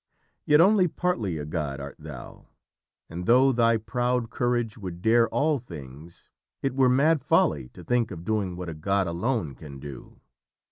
Yet only partly a god art thou, and though thy proud courage would dare all things, it were mad folly to think of doing what a god alone can do."